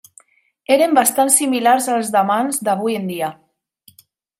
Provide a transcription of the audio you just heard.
Eren bastant similars als damans d'avui en dia.